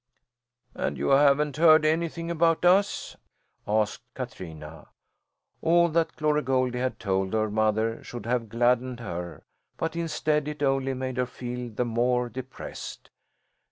"And you haven't heard anything about us?" asked Katrina. All that Glory Goldie had told her mother should have gladdened her, but instead it only made her feel the more depressed.